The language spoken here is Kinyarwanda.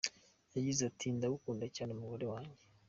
Yagize ati “Ndagukunda cyane mugore wanjye.